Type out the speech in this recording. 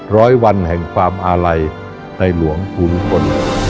ร้อยวันแห่งความอาลัยในหลวงภูมิพล